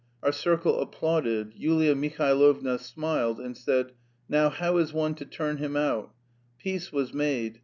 Our circle applauded, Yulia Mihailovna smiled, and said, "Now, how is one to turn him out?" Peace was made.